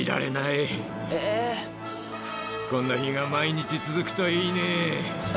こんな日が毎日続くといいね。